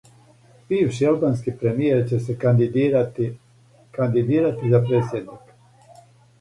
Бивши албански премијер ће се кандидирати за предсједника